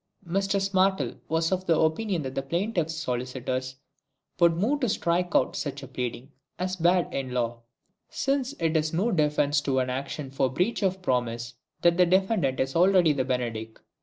Mr SMARTLE was of the opinion that the plaintiff's solicitors would move to strike out such a pleading as bad in law, since it is no defence to an action for breach of promise that the defendant is already the Benedick.